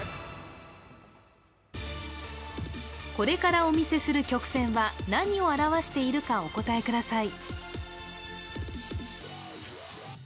これからお見せする曲線は何を表しているかお答えください。